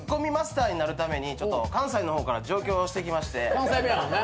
関西弁やもんね。